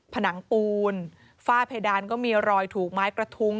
ผนังปูนฝ้าเพดานก็มีรอยถูกไม้กระทุง